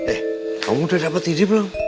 eh kamu udah dapet ini belum